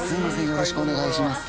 よろしくお願いします。